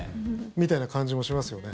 みたいな感じもしますよね。